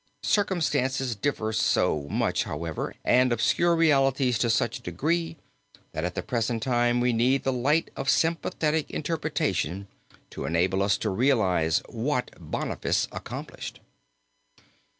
Circumstances differ so much, however, and obscure realities to such a degree, that at the present time we need the light of sympathetic interpretation to enable us to realize what Boniface accomplished.